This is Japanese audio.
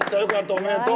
おめでとう。